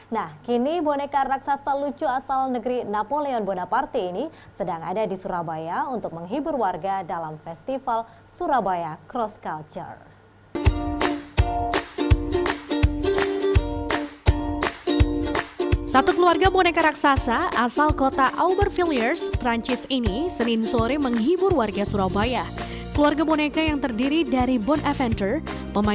nah kini boneka raksasa lucu asal negeri napoleon bonaparte ini sedang ada di surabaya untuk menghibur warga dalam festival surabaya cross culture